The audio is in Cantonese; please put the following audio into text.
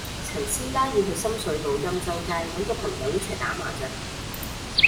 陳師奶要去深水埗欽州街搵個朋友一齊打麻雀